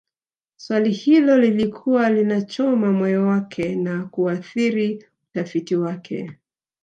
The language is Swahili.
Swali hilo lilikuwa linachoma moyo wake na kuathiri utafiti wake